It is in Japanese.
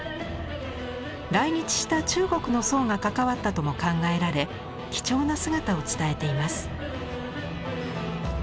来日した中国の僧が関わったとも考えられ貴重な姿を伝えています。